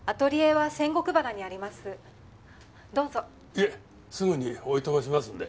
いえすぐにお暇しますんで。